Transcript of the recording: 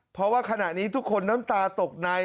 เพราะว่าขณะนี้ทุกคนน้ำตาตกใน